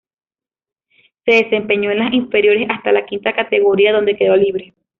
Se desempeñó en las inferiores hasta la quinta categoría donde quedó libre.